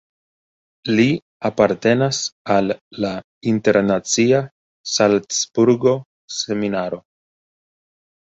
Li apartenas al la internacia Salcburgo-Seminaro.